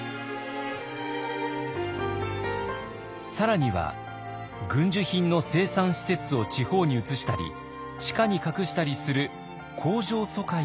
更には軍需品の生産施設を地方に移したり地下に隠したりする工場疎開も行われました。